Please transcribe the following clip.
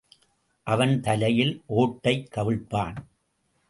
அவன் தலையில் ஓட்டைக் கவிழ்ப்பான்.